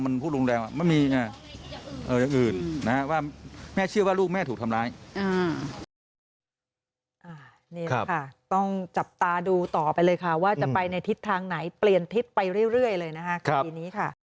นี่แหละค่ะต้องจับตาดูต่อไปเลยค่ะว่าจะไปในทิศทางไหนเปลี่ยนทิศไปเรื่อยเลยนะคะคดีนี้ค่ะ